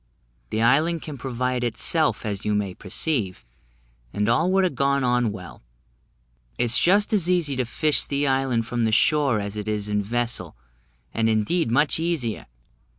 The island can provide itself, as you may perceive, and all would have gone on well. It is just as easy to 'fish' the island from the shore as it is in vessel, and indeed much easier.